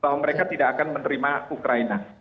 bahwa mereka tidak akan menerima ukraina